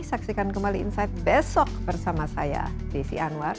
saksikan kembali insight besok bersama saya desi anwar